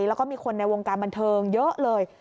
แล้วก็มีคนในวงการบันเทิงเยอะเลย